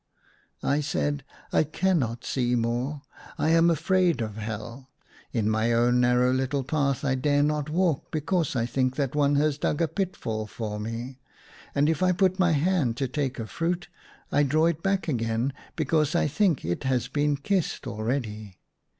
I said, " I cannot see more, I am afraid of Hell. In my own narrow little path I dare not walk because I think that one has dug a pitfall for me ; and if I put my hand to take a fruit I draw it back again because I think it has been kissed already.